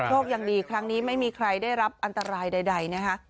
โชคดีครั้งนี้ไม่มีใครได้รับอันตรายใดนะคะ